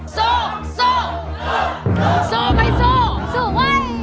สู้ไม่สู้สู้ไว้